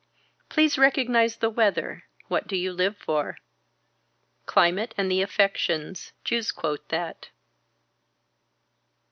Please recognize the weather. What do you live for. Climate and the affections. Jews quote that.